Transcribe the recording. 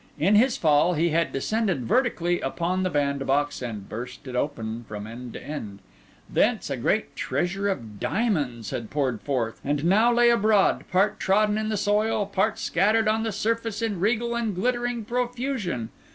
In his fall he had descended vertically upon the bandbox and burst it open from end to end; thence a great treasure of diamonds had poured forth, and now lay abroad, part trodden in the soil, part scattered on the surface in regal and glittering profusion.